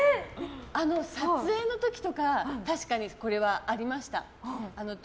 撮影の時とか確かにこれはありました。